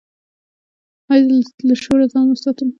ایا له شور ځان وساتم؟